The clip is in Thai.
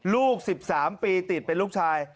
ลูก๑๓ปีติดเป็นลูกชาย